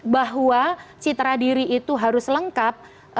bahwa citra diri itu harus lengkap